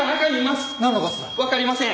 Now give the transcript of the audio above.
わかりません！